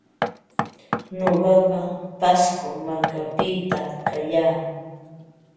Nuqaqa Pasco markapita kaa.